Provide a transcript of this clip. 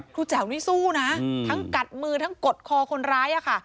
แจ๋วนี่สู้นะทั้งกัดมือทั้งกดคอคนร้าย